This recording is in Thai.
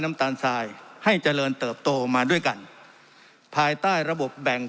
น้ำตาลทรายให้เจริญเติบโตมาด้วยกันภายใต้ระบบแบ่ง